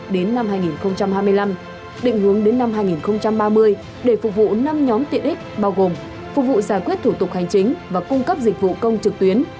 đề án sẽ diễn ra đến năm hai nghìn hai mươi năm định hướng đến năm hai nghìn ba mươi để phục vụ năm nhóm tiện ích bao gồm phục vụ giải quyết thủ tục hành chính và cung cấp dịch vụ công trực tuyến